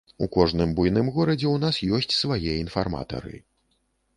У кожным буйным горадзе ў нас ёсць свае інфарматары.